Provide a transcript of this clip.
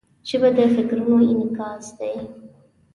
ژبه د فکرونو انعکاس دی